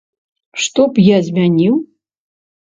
Што б я змяніў?